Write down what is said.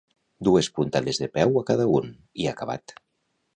Dues puntades de peu a cada un, i acabat.